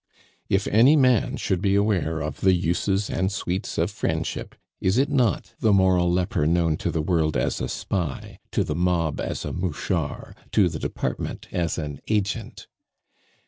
If any man should be aware of the uses and sweets of friendship, is it not the moral leper known to the world as a spy, to the mob as a mouchard, to the department as an "agent"?